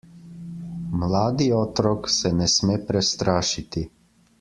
Mladi otrok se ne sme prestrašiti.